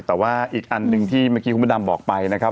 แต่ว่าอีกอันหนึ่งที่เมื่อกี้คุณพระดำบอกไปนะครับ